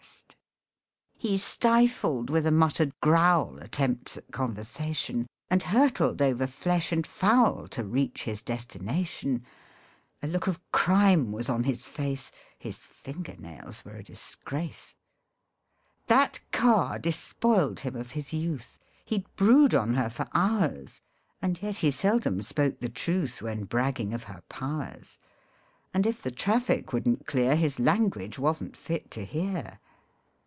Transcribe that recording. MEN I MIGHT HAVE MARRIED He stifled with a muttered growl Attempts at conversation, And hurtled over flesh and fowl To reach his destination. A look of crime was on his face, His finger nails were a disgrace. That car despoiled him of his youth, He'd brood on her for hours, And yet he seldom spoke the truth When bragging of her powers ; And if the traffic wouldn't clear His language wasn't fit to hear.